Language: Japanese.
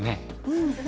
うん。